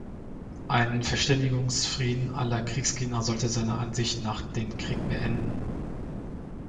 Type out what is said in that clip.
Ein Verständigungsfrieden aller Kriegsgegner sollte seiner Ansicht nach den Krieg beenden.